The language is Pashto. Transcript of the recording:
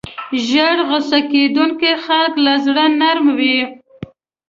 ژر غصه کېدونکي خلک له زړه نرم وي.